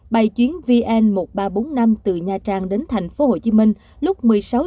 tại chuyến vn một nghìn ba trăm bốn mươi năm từ nha trang đến thành phố hồ chí minh lúc một mươi sáu h ba mươi